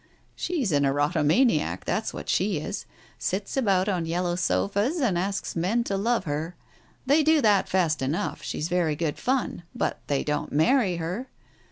She's an erotomaniac, that's what she is — sits about on yellow sofas and asks men to love her. They do that fast enough, she's very good fun — but they don't marry her.